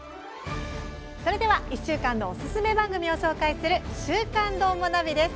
それでは１週間のおすすめ番組を紹介する「週刊どーもナビ」です。